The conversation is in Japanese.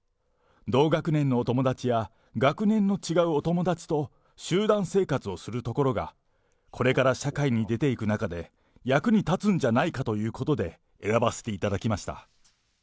同学年のお友達や、学年の違うお友達と集団生活をするところが、これから社会に出ていく中で役に立つんじゃないかということで、選ばせていただきました。